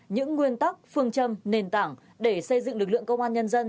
những nguyên tắc phương châm nền tảng để xây dựng lực lượng công an nhân dân